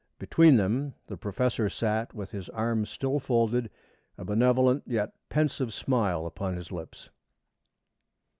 Between them the professor sat, with his arms still folded, a benevolent yet pensive smile upon his lips.